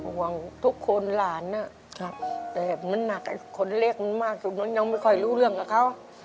ห่วงทุกคนหลานแต่มันหนักคนเล็กมันมากจนมันยังไม่ค่อยรู้เรื่องกับเขา